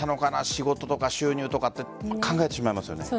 仕事とか収入とかって考えてしまいますよね。